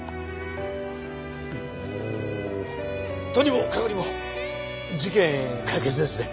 お！とにもかくにも事件解決ですね。